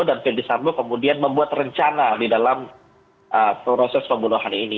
dan fede sambo kemudian membuat rencana di dalam proses pembunuhan ini